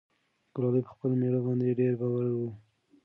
ګلالۍ په خپل مېړه باندې ډېر باوري وه.